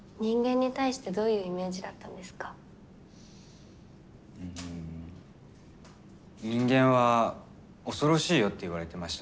うん人間は恐ろしいよって言われてました。